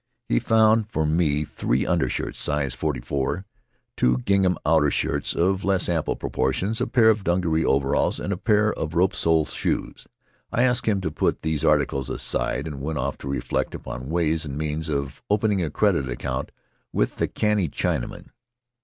He found for me three undershirts, size forty four, two gingham outer shirts of less ample proportions, a pair of dungaree overalls, and a pair of rope sole shoes. I asked him to put these articles aside and went off to reflect upon ways and means of opening a credit account with the canny Chinaman.